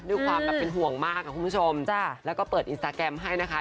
ด้วยความแบบเป็นห่วงมากอ่ะคุณผู้ชมแล้วก็เปิดอินสตาแกรมให้นะคะ